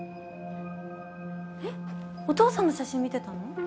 えっお父さんの写真見てたの？